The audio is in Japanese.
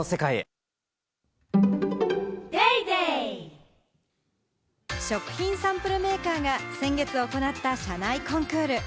ニトリ食品サンプルメーカーが先月行った社内コンクール。